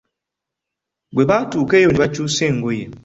Bwe baatuuka eyo ne bakyusa engoye.